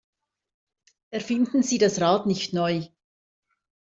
Erfinden Sie das Rad nicht neu!